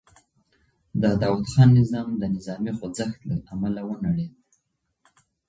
د داوود خان نظام د نظامي خوځښت له امله ونړېد.